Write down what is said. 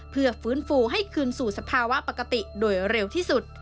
เพื่อฟื้นฟูให้คืนสู่สภาวะปกติโดยเร็วที่สุด